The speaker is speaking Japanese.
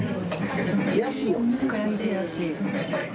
・悔しいよね。